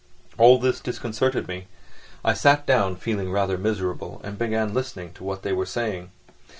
All this disconcerted me: I sat down, feeling rather miserable, and began listening to what they were saying.